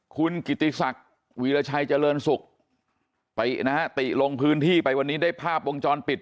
คุณกิติศักดิ์วีรชัยเจริญศุกร์ตินะฮะติลงพื้นที่ไปวันนี้ได้ภาพวงจรปิด